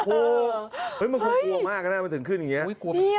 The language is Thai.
อุ๊ยมันมันควรมักแล้วนะมันถึงขึ้นอย่างนี้